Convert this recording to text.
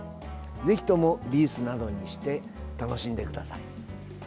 ぜひとも、リースなどにして楽しんでください。